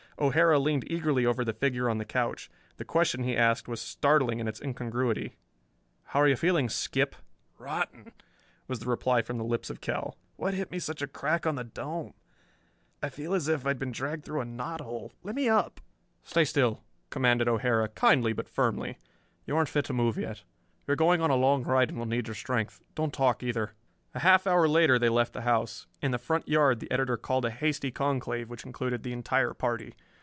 O'Hara leaned eagerly over the figure on the couch. The question he asked was startling in its incongruity: "How are you feeling, Skip!" "Rotten," was the reply from the lips of Kell. "What hit me such a crack on the dome? I feel as if I had been dragged through a knot hole. Lemme up." "Stay still," commanded O'Hara, kindly but firmly. "You aren't fit to move yet. You are going on a long ride and will need your strength. Don't talk, either." A half hour later they left the house. In the front yard the editor called a hasty conclave which included the entire party.